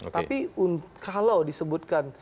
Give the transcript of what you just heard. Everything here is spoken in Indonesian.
tapi kalau disebutkan